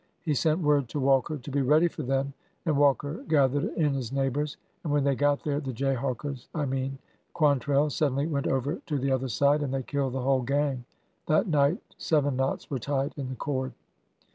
He sent word to Walker to be ready for them, and Walker gath ered in his neighbors; and when they got there — the jay hawkers, I mean — Quantrell suddenly went over to the other side, and they killed the whole gang. That night seven knots were tied in the cord."